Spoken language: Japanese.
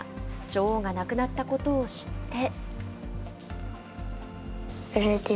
女王が亡くなったことを知って。